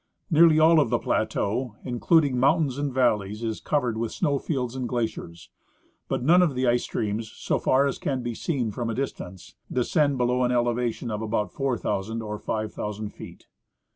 Nearly all of the plateau, including mountains and valleys, is covered with snow fields and glaciers ; but none of the ice streams, so far as can be seen from a distance, descend below an elevation of about 4,000 or 5,000 feet.